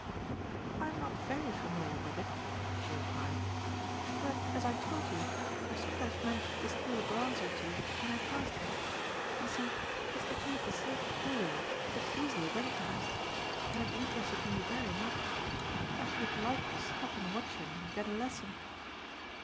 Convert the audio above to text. "I'm not very familiar with it," she replied, "but, as I told you, I sometimes managed to steal a glance or two when I passed him. You see, his technique is so peculiar that it's easily recognised, and it interested me very much. I should have liked to stop and watch him and get a lesson."